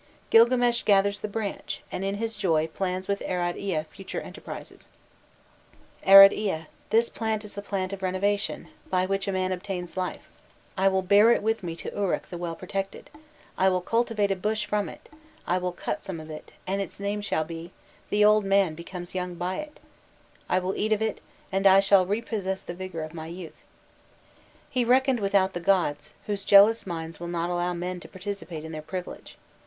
'Gilgames gathers the branch, and in his joy plans with Arad Ea future enterprises: 'Arad Ea, this plant is the plant of renovation, by which a man obtains life; I will bear it with me to Uruk the well protected, I will cultivate a bush from it, I will cut some of it, and its name shall be, "the old man becomes young by it;" I will eat of it, and I shall repossess the vigour of my youth.'" He reckoned without the gods, whose jealous minds will not allow men to participate in their privileges.